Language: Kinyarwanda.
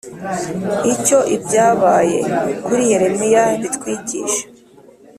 icyo ibyabaye kuri yeremiya bitwigisha